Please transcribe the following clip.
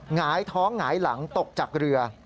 หงายท้องหงายหลังตกจากเรือ